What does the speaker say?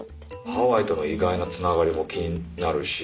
ハワイとの意外なつながりも気になるし。